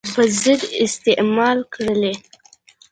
په ضد استعمال کړلې.